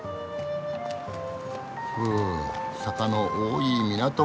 ふ坂の多い港街。